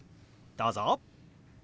どうぞ。